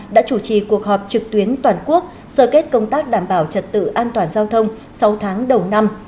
đã chủ trì cuộc họp trực tuyến toàn quốc sơ kết công tác đảm bảo trật tự an toàn giao thông sáu tháng đầu năm